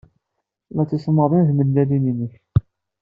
La ttismiḍent tmellalin-nnek.